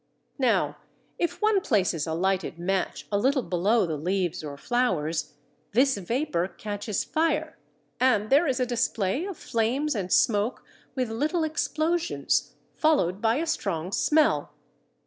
Now if one places a lighted match a little below the leaves or flowers this vapour catches fire, and there is a display of flames and smoke with little explosions, followed by a strong smell.